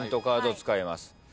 カード使います。